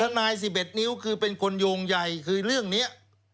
ทนาย๑๑นิ้วคือเป็นคนโยงใหญ่คือเรื่องนี้